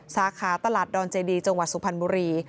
สาขาตลาดดอนเจดีจังหวัดสุพรรณบุรี